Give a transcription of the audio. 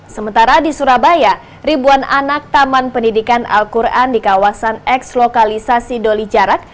sementara di surabaya ribuan anak taman pendidikan al quran di kawasan eks lokalisasi doli jarak